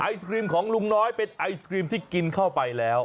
ไอศครีมของลุงน้อยเป็นไอศครีมที่กินเข้าไปแล้ว